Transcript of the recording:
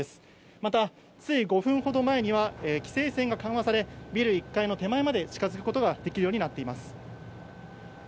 また、つい５分ほど前には、規制線が緩和され、ビル１階の手前まで近づくことができるようになっています。